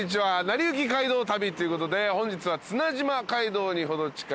『なりゆき街道旅』ということで本日は。